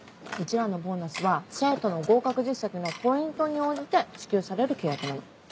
らのボーナスは生徒の合格実績のポイントに応じて支給される契約なの。